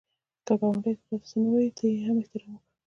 که ګاونډی تا ته څه ونه وايي، ته یې هم احترام وکړه